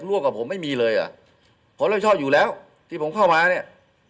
ร่วมกับผมไม่มีเลยอ่ะผมรับผิดชอบอยู่แล้วที่ผมเข้ามาเนี่ย